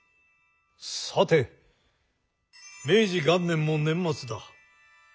さて明治元年も年末だ。